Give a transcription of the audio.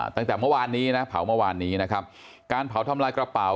ตั้งแต่เมื่อวานนี้นะเผาเมื่อวานนี้นะครับการเผาทำลายกระเป๋า